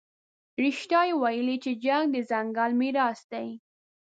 رښتیا یې ویلي چې جنګ د ځنګل میراث دی.